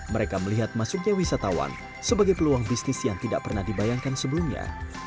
mereka melihat masuknya wisatawan sebagai peluang bisnis yang tidak pernah dibayangkan sebelumnya